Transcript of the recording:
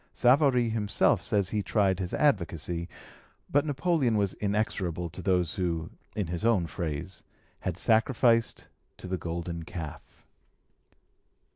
Savary himself says he tried his advocacy; but Napoleon was inexorable to those who, in his own phrase, had sacrificed to the golden calf.